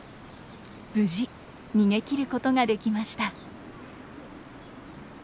無事逃げきることができました。